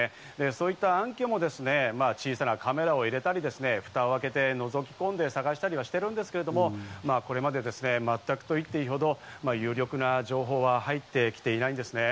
そういった暗渠も小さなカメラを入れたり、ふたを開けて覗きこんだりしたりしてるんですけど、これまで全くと言っていいほど有力な情報は入ってきていないんですね。